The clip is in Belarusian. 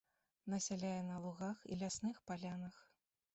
Насяляе на лугах і лясных палянах.